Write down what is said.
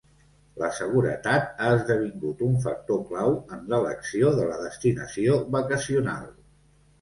La seguretat ha esdevingut un factor clau en l'elecció de la destinació vacacional.